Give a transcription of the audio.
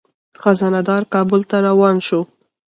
خزانه دار کابل ته روان شو.